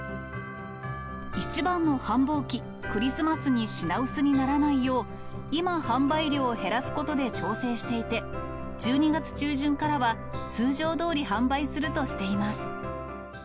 一番の繁忙期、クリスマスに品薄にならないよう、今、販売量を減らすことで調整していて、１２月中旬からは、通常どおり販売するとしています。